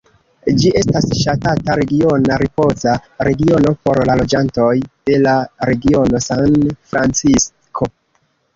Ĝi estas ŝatata regiona ripoza regiono por la loĝantoj de la regiono San Francisko.